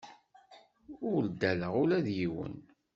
Ur ddaleɣ ula d yiwen.